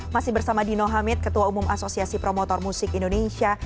masih bersama dino hamid ketua umum asosiasi promotor musik indonesia